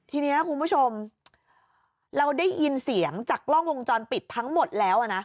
ทีนี้คุณผู้ชมเราได้ยินเสียงจากกล้องวงจรปิดทั้งหมดแล้วนะ